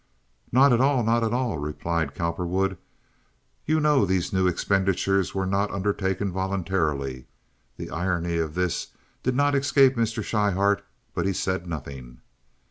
"Not at all, not at all!" replied Cowperwood. "You know these new expenditures were not undertaken voluntarily." (The irony of this did not escape Mr. Schryhart, but he said nothing.)